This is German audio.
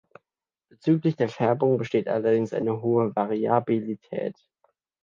Bezüglich der Färbung besteht allerdings eine hohe Variabilität.